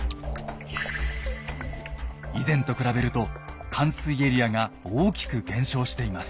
以前と比べると冠水エリアが大きく減少しています。